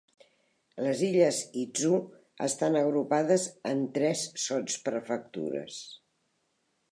Les Illes Izu estan agrupades en tres sotsprefectures.